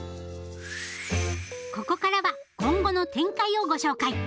ここからは今後の展開をご紹介！